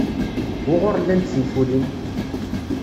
Wuɣur llant tenfulin?